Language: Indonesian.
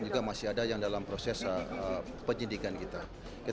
tidak ada yang maju nunggu perintah